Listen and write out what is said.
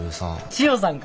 千代さんか。